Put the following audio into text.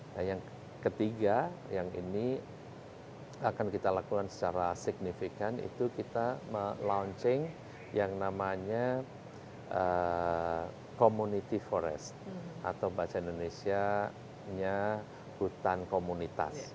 nah yang ketiga yang ini akan kita lakukan secara signifikan itu kita melaunching yang namanya community forest atau bahasa indonesia nya hutan komunitas